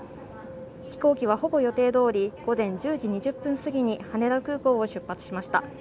飛行機はほぼ予定どおり午前１０時２０分すぎに羽田空港を出発しました。